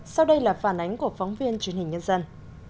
sau đây là phản ánh của phóng viên truyền hình nhân dân